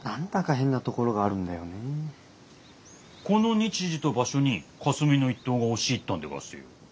この日時と場所に霞ノ一党が押し入ったんでがすよ。